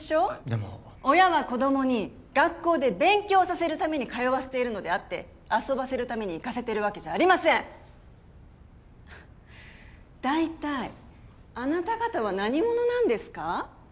でも親は子供に学校で勉強させるために通わせているのであって遊ばせるために行かせてるわけじゃありません大体あなた方は何者なんですか？